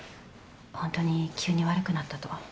ホントに急に悪くなったと。